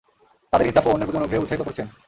তাদের ইনসাফ ও অন্যের প্রতি অনুগ্রহে উৎসাহিত করছেন।